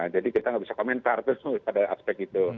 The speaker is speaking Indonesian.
jadi kita nggak bisa komentar terus pada aspek itu